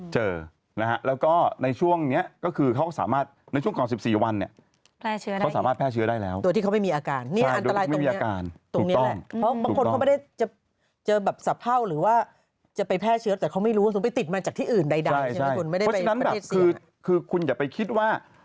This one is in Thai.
เจอแล้วก็ในช่วง๑๔วันเขาสามารถแพร่เชื้อได้แล้ว